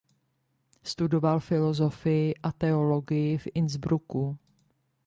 Studoval filosofii a teologii v Innsbrucku.